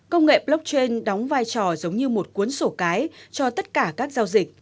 công nghệ blockchain đóng vai trò giống như một cuốn sổ cái cho tất cả các giao dịch